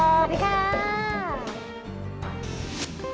สวัสดีค่ะ